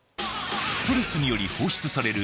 ストレスにより放出される